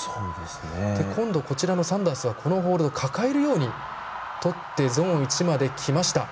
今度、サンダースはホールドを抱えるようにとってゾーン１まで、きました。